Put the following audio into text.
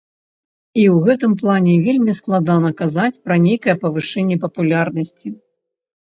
І ў гэтым плане вельмі складана казаць пра нейкае павышэнне папулярнасці.